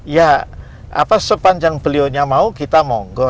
ya apa sepanjang beliaunya mau kita monggo